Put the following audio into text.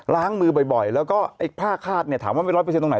ล้างมือบ่อยแล้วก็ไอ้ผ้าคาดเนี่ยถามว่าไม่ร้อยเปอร์เซ็นตรงไหน